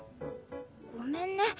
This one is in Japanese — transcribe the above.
ごめんね。